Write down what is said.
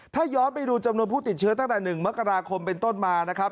ถ้าย้อนไปดูจำนวนผู้ติดเชื้อตั้งแต่๑มกราคมเป็นต้นมานะครับ